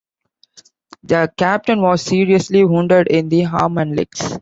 The captain was seriously wounded in the arm and legs.